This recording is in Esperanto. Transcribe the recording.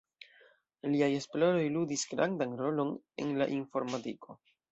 Liaj esploroj ludis grandan rolon en la informadiko.